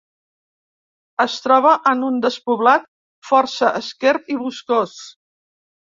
Es troba en un despoblat força esquerp i boscós.